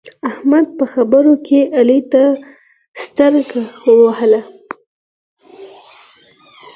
احمد په خبرو کې علي ته سترګه ووهله.